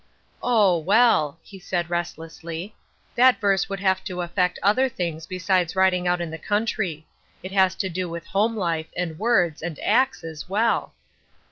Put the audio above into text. " Oh, well," he said, restlessly, " that verse would have to affect other things besides riding out in the country ; it has to do with home lifo, and words, and acts, as well."